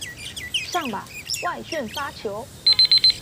上吧，外旋發球